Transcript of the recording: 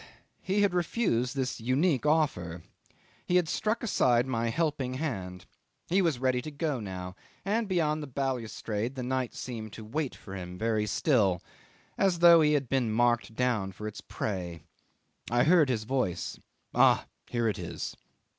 he had refused this unique offer. He had struck aside my helping hand; he was ready to go now, and beyond the balustrade the night seemed to wait for him very still, as though he had been marked down for its prey. I heard his voice. "Ah! here it is."